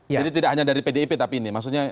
jadi tidak hanya dari pdip tapi ini maksudnya